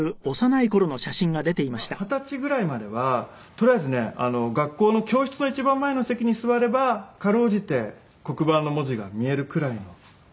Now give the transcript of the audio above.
まあ二十歳ぐらいまではとりあえずね学校の教室の一番前の席に座れば辛うじて黒板の文字が見えるくらいの視力がありました。